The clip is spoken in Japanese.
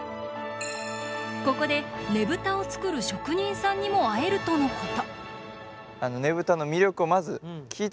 ここでねぶたを作る職人さんにも会えるとのこと。